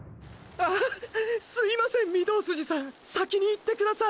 あはっすいません御堂筋さん先に行ってください。